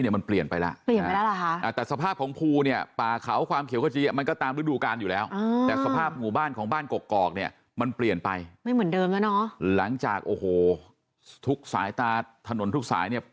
มันเปลี่ยนไปไม่เหมือนเดิมแล้วเนาะหลังจากโอ้โหทุกสายตาถนนทุกสายเนี่ย